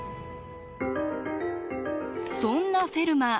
そんなフェルマー